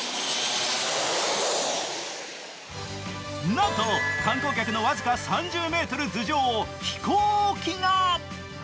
なんと、観光客の僅か３０ｍ頭上を飛行機が！